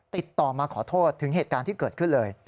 ติดต่อมาขอโทษถึงเหตุการณ์ที่เกิดขึ้นเลย